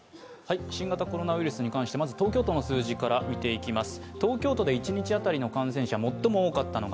新型コロナウイルスに関して、まず東京都の数字から見ていきます。